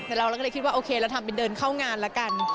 แต่เราก็เลยคิดว่าโอเคเราทำเป็นเดินเข้างานแล้วกัน